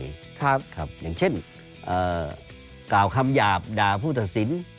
อย่างเช่นกล่าวคำหยาบด่าผู้ตัดสิน